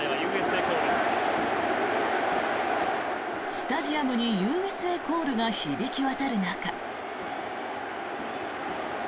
スタジアムにＵＳＡコールが響き渡る中。